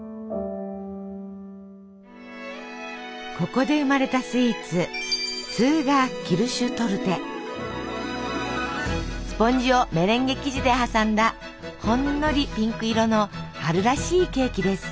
ここで生まれたスイーツスポンジをメレンゲ生地で挟んだほんのりピンク色の春らしいケーキです。